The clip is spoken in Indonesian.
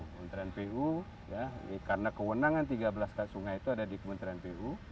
kementerian pu karena kewenangan tiga belas sungai itu ada di kementerian pu